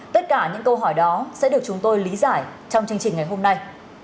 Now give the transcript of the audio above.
tất cả những câu hỏi đó sẽ được chúng tôi lý giải trong chương trình ngày hôm nay